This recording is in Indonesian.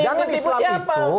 jangan islam itu